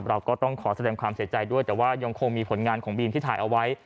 เราก็ต้องขอแสดงความเสียใจด้วยแต่ว่ายังคงมีผลงานของบีมที่ถ่ายเอาไว้